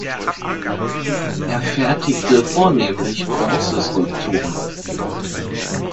Er fertigte vornehmlich Bronze-Skulpturen.